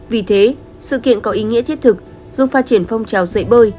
vì thế sự kiện có ý nghĩa thiết thực giúp phát triển phong trào dạy bơi